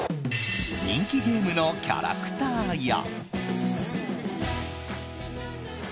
人気ゲームのキャラクターや。